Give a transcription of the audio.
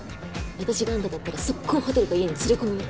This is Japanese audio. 私があんただったらソッコーホテルか家に連れ込むよ。